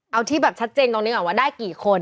เอาที่แบบชัดเจนตรงนี้ก่อนว่าได้กี่คน